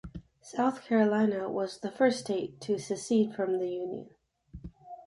South Carolina was the first state to secede from the Union.